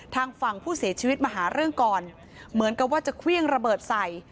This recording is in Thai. ทางฝั่งผู้เสียชีวิตมาหาเรื่องก่อนเหมือนกับว่าจะเครื่องระเบิดใส่